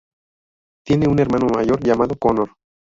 Tiene un hermano mayor llamado Connor.